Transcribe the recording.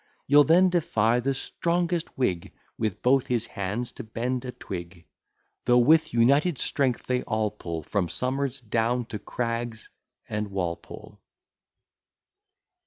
You'll then defy the strongest Whig With both his hands to bend a twig; Though with united strength they all pull, From Somers, down to Craggs and Walpole.